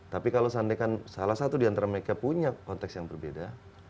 tapi kalau seandainya salah satu diantara mereka punya konteks yang berbeda